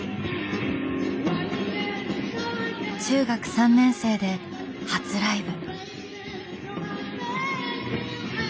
中学３年生で初ライブ。